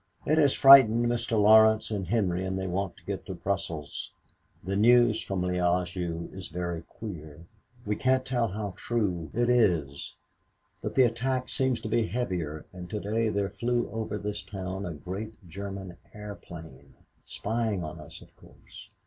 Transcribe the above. It has frightened Mr. Laurence and Henry and they want to get to Brussels. The news from Liége is very queer. We can't tell how true it is, but the attack seems to be heavier and to day there flew over this town a great German airplane! spying on us, of course.